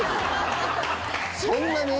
そんなに？